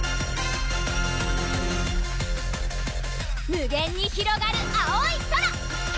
無限にひろがる青い空！